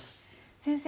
先生